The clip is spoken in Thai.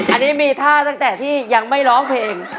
อันนี้มีท่าตั้งแต่ที่ยังไม่ร้องเพลง